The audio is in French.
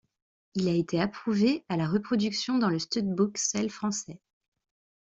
Il a été approuvé à la reproduction dans le stud-book Selle français.